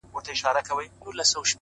صادق زړه اوږده آرامي مومي،